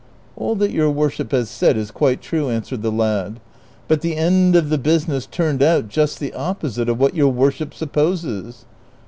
" All that your worship has said is quite true," answered the lad; " but the end of the business turned out just the opposite of what your worship supposes."